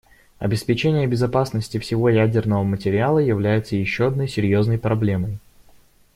Обеспечение безопасности всего ядерного материала является еще одной серьезной проблемой.